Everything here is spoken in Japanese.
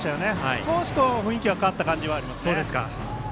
少し雰囲気が変わった感じがありますね。